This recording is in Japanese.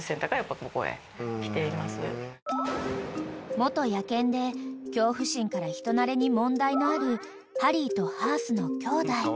［元野犬で恐怖心から人なれに問題のあるハリーとハースの兄弟］